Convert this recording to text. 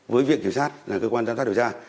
với việc kiểm soát cơ quan giám sát điều tra